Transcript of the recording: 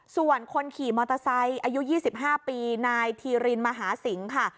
ส่วนคนขี่มอเตอร์ไซค์อายุ๒๕ปีนายธีรินมหาสิงค่ะ